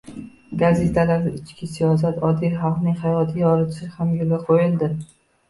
gazetalarda ichki siyosat, oddiy xalqning hayotini yoritish ham yo‘lga qo‘yildi.